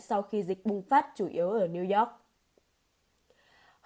sau khi dịch bùng phát chủ yếu ở new york